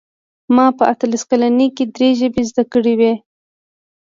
ما په اتلس کلنۍ کې درې ژبې زده کړې وې